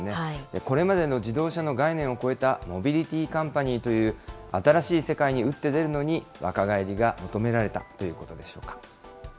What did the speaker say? これまでの自動車の概念を超えたモビリティーカンパニーという新しい世界に打って出るのに、若返りが求められたということでしょうか。